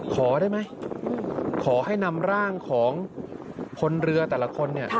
ขอได้ไหมขอให้นำร่างของพลเรือแต่ละคนเนี่ย